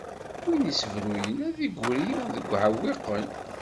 Win issebruyen ad d-igri deg iɛwiqen.